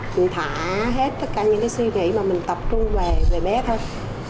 mình thả hết tất cả những cái suy nghĩ mà mình tập trung về bé thôi